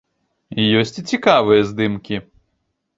Ёсць і цікавыя здымкі.